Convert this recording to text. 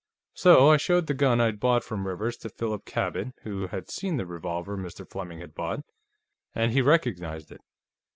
So I showed the gun I'd bought from Rivers to Philip Cabot, who had seen the revolver Mr. Fleming had bought, and he recognized it.